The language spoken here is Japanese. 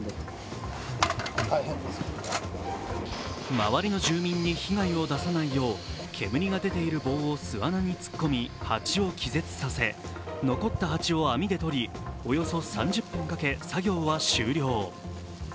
周りの住民に被害を出さないよう、煙が出ている棒を巣穴に突っ込み蜂を気絶させ残った蜂を網で取りおよそ３０分かけ作業は終了。